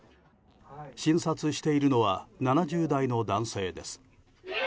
診察しているのは７０代の男性です。